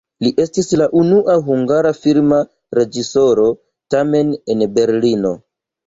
Li estis la unua hungara filma reĝisoro, tamen en Berlino.